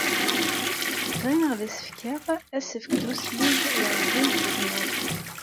Bɣiɣ ad as-fkeɣ asefk d uslig i Ɛezdin n Tezmalt.